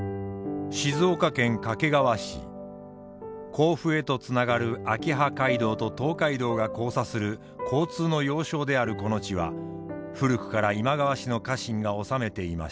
甲府へとつながる秋葉街道と東海道が交差する交通の要衝であるこの地は古くから今川氏の家臣が治めていました。